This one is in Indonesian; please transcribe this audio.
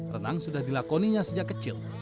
renang sudah dilakoninya sejak kecil